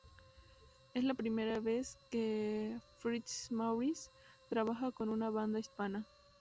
Es la primera vez que Fitzmaurice trabaja con una banda hispana.